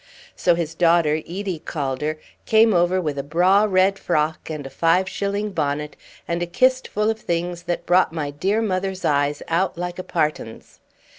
So his daughter, Edie Calder, came over with a braw red frock and a five shilling bonnet, and a kist full of things that brought my dear mother's eyes out like a partan's.